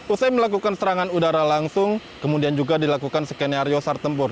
usai melakukan serangan udara langsung kemudian juga dilakukan skenario sartempur